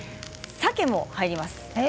さけも入ります。